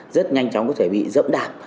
rất nhanh chóng có thể bị rậm đạp